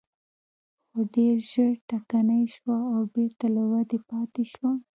خو ډېر ژر ټکنۍ شوه او بېرته له ودې پاتې شوه.